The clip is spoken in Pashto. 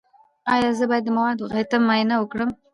ایا زه باید د مواد غایطه معاینه وکړم؟